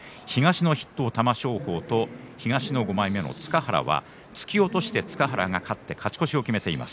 東の筆頭玉正鳳東の５枚目塚原は突き落としで塚原が勝って勝ち越しを決めています。